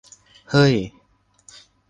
เฮ่ย